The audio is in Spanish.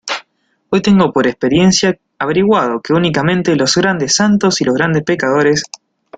hoy tengo por experiencia averiguado que únicamente los grandes santos y los grandes pecadores,